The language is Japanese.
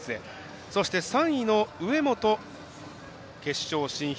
そして、３位の植本決勝進出。